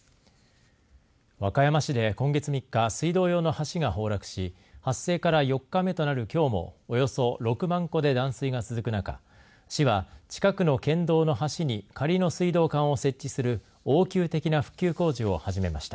和歌山市で今月３日水道用の橋が崩落し発生から４日目となる、きょうもおよそ６万戸で断水が続く中市は近くの県道の橋に仮の水道管を設置する応急的な復旧工事を始めました。